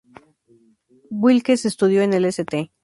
Wilkes estudió en el St.